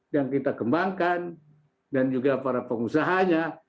yang kita kembangkan dan juga para pengusahanya